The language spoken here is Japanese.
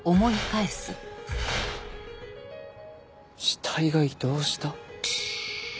死体が移動した？